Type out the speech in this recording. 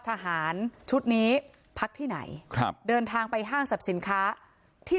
ทหารชุดนี้พักที่ไหนครับเดินทางไปห้างสรรพสินค้าที่